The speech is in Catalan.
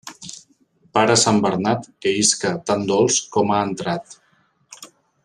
Pare sant Bernat, que isca tan dolç com ha entrat.